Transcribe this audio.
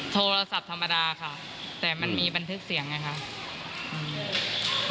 โทรศัพท์ธรรมดาค่ะแต่มันมีบันทึกเสียงไงคะ